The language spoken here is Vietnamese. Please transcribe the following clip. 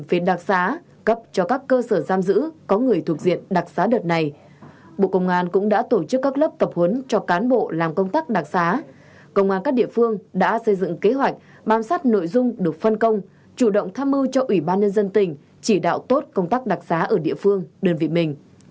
về đặc xá cấp cho các cơ sở giam giữ có người thuộc diện đặc xá đợt này bộ công an cũng đã tổ chức các lớp tập huấn cho cán bộ làm công tác đặc xá công an các địa phương đã xây dựng kế hoạch bám sát nội dung được phân công chủ động tham mưu cho ủy ban nhân dân tỉnh chỉ đạo tốt công tác đặc xá ở địa phương đơn vị mình